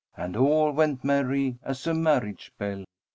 And all went merry as a marriage bell!